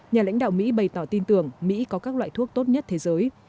nhà lãnh đạo mỹ bày tỏ tin tưởng mỹ có các loại thuốc tốt nhất thế giới